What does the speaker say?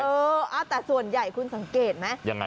เออแต่ส่วนใหญ่คุณสังเกตไหมยังไง